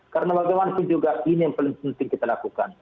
karena bagaimanapun juga ini yang paling penting kita lakukan